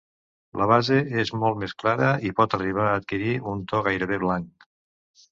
La base és molt més clara i pot arribar a adquirir un to gairebé blanc.